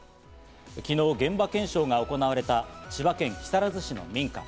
昨日、現場検証が行われた千葉県木更津市の民家。